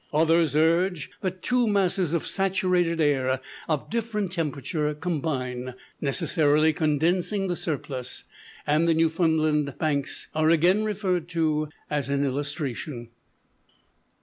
Others urge that two masses of saturated air of different temperature combine, necessarily condensing the surplus; and the Newfoundland banks are again referred to as an illustration.